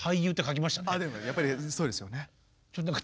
やっぱりそうですよね。